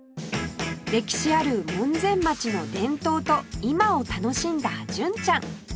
歴史ある門前町の伝統と今を楽しんだ純ちゃん